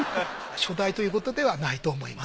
初代ということではないと思います。